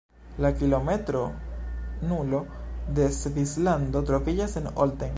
La “kilometro nulo” de Svislando troviĝas en Olten.